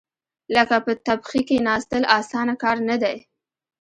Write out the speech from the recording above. لکه په تبخي کېناستل، اسانه کار نه دی.